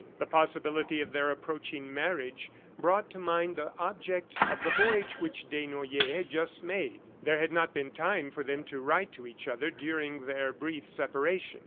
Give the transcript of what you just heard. The possibility of their approaching marriage brought to mind the object of the voyage which Desnoyers had just made. There had not been time for them to write to each other during their brief separation.